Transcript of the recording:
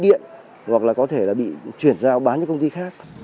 để người dân có thể tìm hiểu và tìm hiểu